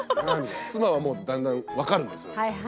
妻はもうだんだん分かるんですよ。